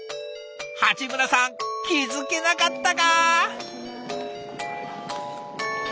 鉢村さん気付けなかったか！